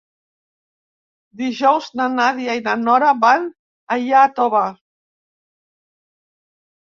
Dijous na Nàdia i na Nora van a Iàtova.